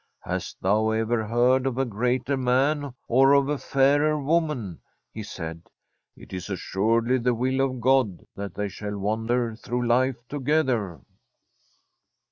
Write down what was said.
' Hast thou ever heard of a greater man or of a fairer woman ?' he said. * It is assuredly the will of God that they shall wander through life to gether.'